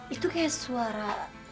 itu kayak suara